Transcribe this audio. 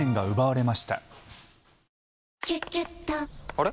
あれ？